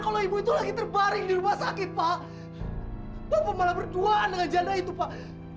kalau ibu itu lagi terbaring di rumah sakit pak bapak malah berduaan dengan janda itu pak